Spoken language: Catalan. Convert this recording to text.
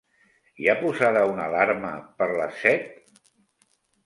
Hi ha posada una alarma per les set?